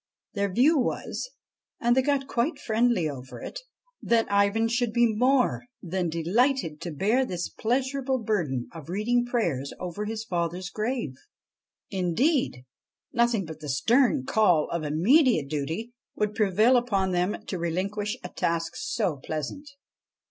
Their view was and they got quite friendly over it that Ivan should be more than delighted to bear this pleasurable burden of reading prayers over his father's grave. Indeed, nothing but the stern call of immediate duty would prevail upon them to relinquish a task so pleasant.